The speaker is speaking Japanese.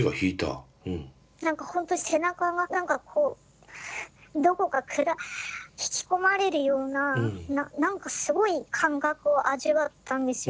何かほんとに背中が何かこうどこか暗引き込まれるような何かすごい感覚を味わったんですよ。